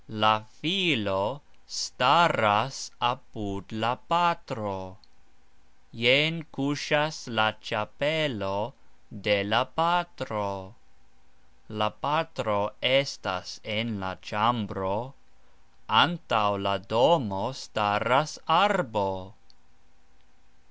La filo staras apud la patro. Jen kusxas la cxapelo de la patro. La patro estas en la cxambro. Antaux la domo staras arbo.